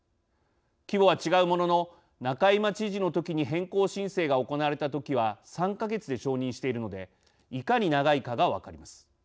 規模は違うものの仲井真知事のときに変更申請が行われたときは３か月で承認しているのでいかに長いかが分かります。